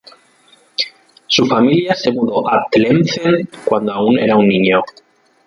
Su familia se mudó a Tlemcen cuando aún era un niño.